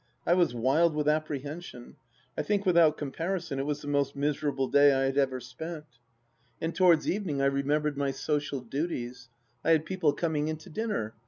I was wild with apprehension. I think without comparison it was the most miserable day I had ever spent. And towards evening I THE LAST DITCH 277 remembered my social duties. I had people coming to dinner.